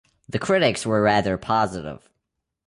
The critics were rather positive.